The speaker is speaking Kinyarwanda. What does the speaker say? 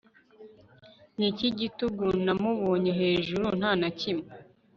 Niki gitugu namubonye hejuru Nta na kimwe